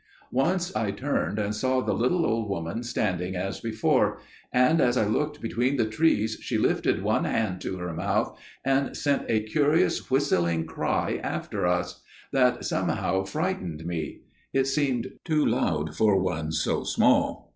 "Once I turned and saw the little old woman standing as before; and as I looked between the trees she lifted one hand to her mouth and sent a curious whistling cry after us, that somehow frightened me. It seemed too loud for one so small.